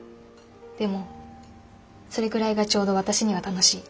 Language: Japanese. でもそれくらいがちょうど私には楽しい。